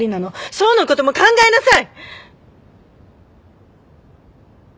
想のことも考えなさい！